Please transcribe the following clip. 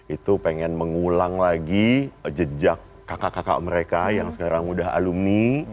itu pengen mengulang lagi jejak kakak kakak mereka yang sekarang udah alumni